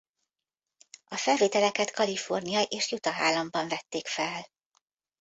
A felvételeket Kalifornia és Utah államban vették fel.